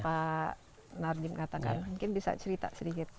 pak nardim katakan mungkin bisa cerita sedikit